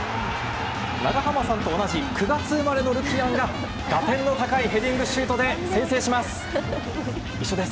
長濱さんと同じ９月生まれのルキアンが打点の高いヘディングシュートで先制します。